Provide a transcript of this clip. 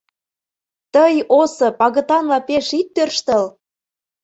Тый, Осып, агытанла пеш ит тӧрштыл!